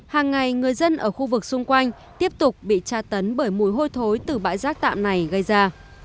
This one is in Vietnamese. hàng ngày người dân ở khu vực xung quanh tiếp tục bị tra tấn bởi mùi hôi thối từ bãi rác tạm này gây ra